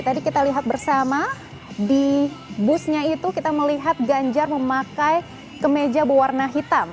tadi kita lihat bersama di busnya itu kita melihat ganjar memakai kemeja berwarna hitam